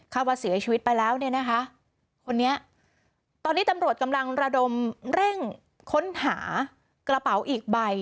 ว่าเสียชีวิตไปแล้วเนี่ยนะคะคนนี้ตอนนี้ตำรวจกำลังระดมเร่งค้นหากระเป๋าอีกใบ